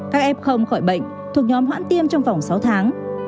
các em không khỏi bệnh thuộc nhóm hoãn tiêm trong vòng sáu tháng